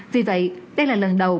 vì vậy đây là lần đầu